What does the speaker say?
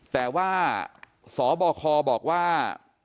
แต่ว่าสบคบอกว่า